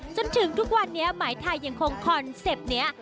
จนถึงทุกวันนี้หมายไทยยังคงคอนเซ็ปต์นี้